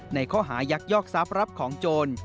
ในข้อหายักยอกทรัพย์รับของโจร